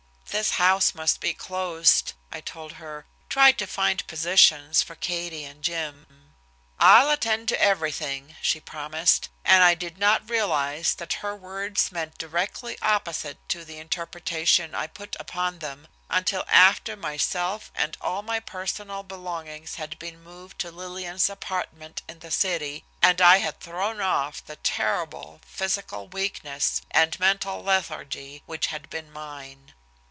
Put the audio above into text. "This house must be closed," I told her. "Try to find positions for Katie and Jim." "I'll attend to everything," she promised, and I did not realize that her words meant directly opposite to the interpretation I put upon them, until after myself and all my personal belongings had been moved to Lillian's apartment in the city, and I had thrown off the terrible physical weakness and mental lethargy which had been mine.